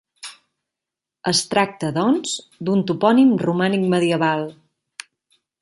Es tracta, doncs, d'un topònim romànic medieval.